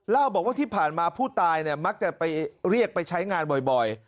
เล่าบอกว่าที่ผ่านมาผู้ตายมักจะไปเรียกไปใช้งานบ่อย